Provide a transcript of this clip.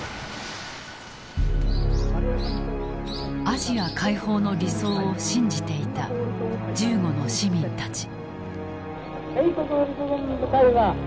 アジア解放の理想を信じていた銃後の市民たち。